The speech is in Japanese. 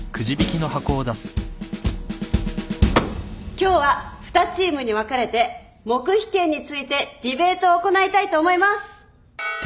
今日は２チームに分かれて黙秘権についてディベートを行いたいと思います。